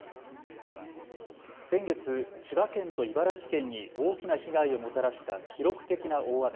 先月、千葉県と茨城県に大きな被害をもたらした記録的な大雨。